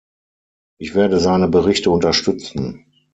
Ich werde seine Berichte unterstützen.